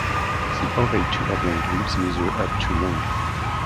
The ovate to oblong leaves measure up to long.